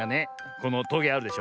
このトゲあるでしょ。